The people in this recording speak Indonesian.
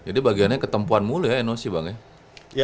jadi bagiannya ketempuan mulu ya nosi bang ya